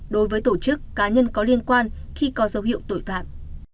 đối với tổ chức cá nhân có liên quan khi có dấu hiệu tội phạm